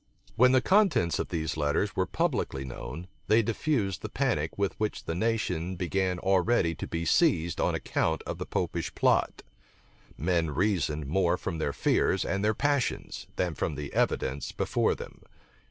When the contents of these letters were publicly known, they diffused the panic with which the nation began already to be seized on account of the Popish plot. Men reasoned more from their fears and their passions, than from the evidence before them.